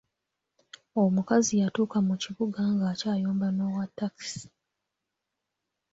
Omukazi yatuuka mu kibuga ng'akyayomba n'owa takisi.